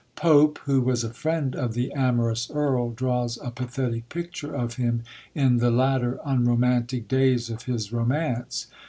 Pope, who was a friend of the amorous Earl, draws a pathetic picture of him in the latter unromantic days of his romance.